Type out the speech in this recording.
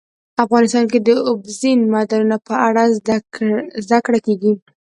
افغانستان کې د اوبزین معدنونه په اړه زده کړه کېږي.